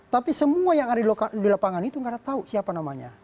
tapi semua yang ada di lapangan itu nggak ada tahu siapa namanya